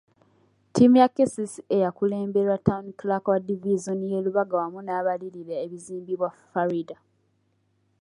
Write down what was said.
Ttiimu ya KCCA yakulemberwa Town Clerk wa divizoni y'e Lubaga wamu n'abalirira ebizimbibwa Faridah.